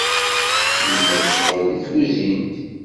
Yemma tecɣel deg tkuzint.